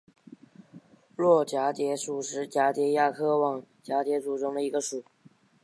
络蛱蝶属是蛱蝶亚科网蛱蝶族中的一个属。